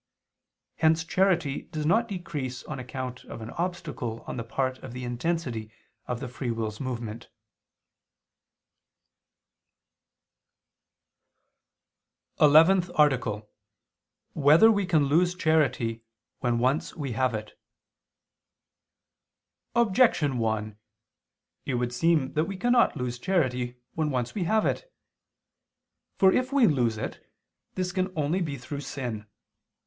Hence charity does not decrease on account of an obstacle on the part of the intensity of the free will's movement. _______________________ ELEVENTH ARTICLE [II II, Q. 24, Art. 11] Whether We Can Lose Charity When Once We Have It? Objection 1: It would seem that we cannot lose charity when once we have it. For if we lose it, this can only be through sin.